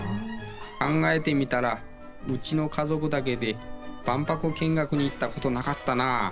考えてみたら、うちの家族だけで、万博見学に行ったことなかったなぁ。